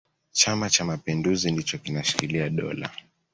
chama cha mapinduzi ndicho kinashikilia dola